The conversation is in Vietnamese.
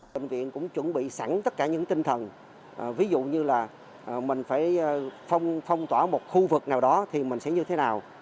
bệnh viện cũng chuẩn bị sẵn tất cả những tinh thần ví dụ như là mình phải phong tỏa một khu vực nào đó thì mình sẽ như thế nào